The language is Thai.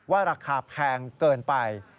ราคาแพงเกินไป